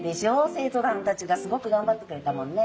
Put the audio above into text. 生徒さんたちがすごく頑張ってくれたもんね。